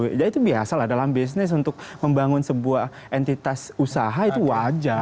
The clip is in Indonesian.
jadi itu biasa lah dalam bisnis untuk membangun sebuah entitas usaha itu wajar